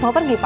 mau pergi pa